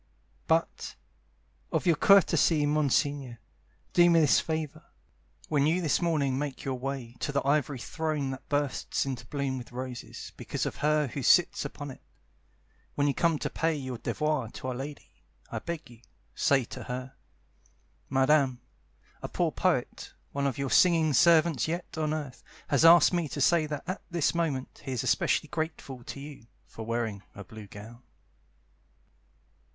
But, of your courtesy, Monsignore, Do me this favour: When you this morning make your way To the Ivory Throne that bursts into bloom with roses because of her who sits upon it, When you come to pay your devoir to Our Lady, I beg you, say to her: "Madame, a poor poet, one of your singing servants yet on earth, Has asked me to say that at this moment he is especially grateful to you For wearing a blue gown."